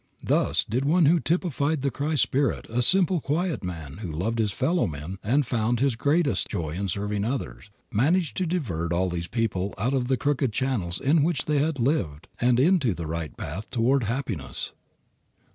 Thus did one who typified the Christ spirit, a simple, quiet man who loved his fellowmen and who found his greatest joy in serving others, manage to divert all of these people out of the crooked channels in which they had lived and into the right path toward happiness.